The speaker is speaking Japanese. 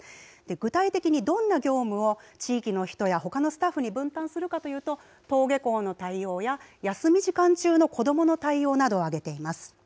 具体的にどんな業務を地域の人や、ほかのスタッフに分担するかというと、登下校の対応や、休み時間中の子どもの対応などを挙げています。